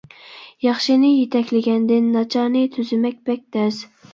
ياخشىنى يېتەكلىگەندىن ناچارنى تۈزىمەك بەك تەس.